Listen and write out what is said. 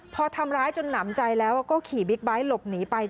พอทำร้ายจนหนำใจแล้วก็ขี่บิ๊กไบท์หลบหนีไป